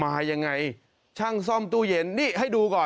มายังไงช่างซ่อมตู้เย็นนี่ให้ดูก่อน